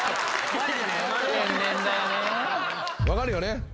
分かるよね？